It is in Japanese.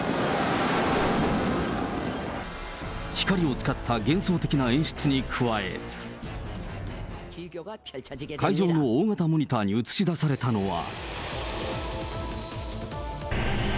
光を使った幻想的な演出に加え、会場の大型モニターに映し出されたのは。